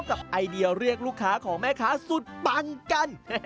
ไอเดียเรียกลูกค้าของแม่ค้าสุดปังกัน